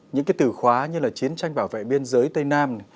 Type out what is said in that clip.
những cái từ khóa như là chiến tranh bảo vệ biên giới tây nam